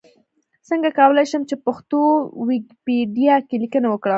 څنګه کولای شم چې پښتو ويکيپېډيا کې ليکنې وکړم؟